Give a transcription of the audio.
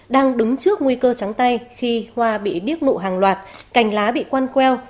đang đứng trước nguy cơ trắng tay khi hoa bị điếc mụ hàng loạt cành lá bị quan queo